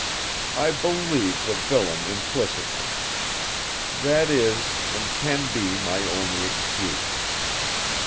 I believed the villain implicitly. That is, and can be, my only excuse."